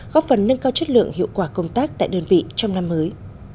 góp phần nâng cao chất lượng hiệu quả công tác tại đơn vị trong năm mới